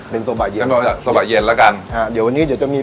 เป็นโซบาเย็นสบายเย็นแล้วกันอ่าเดี๋ยววันนี้เดี๋ยวจะมี